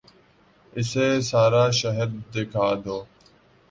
اسے سارا شہر دکھا دو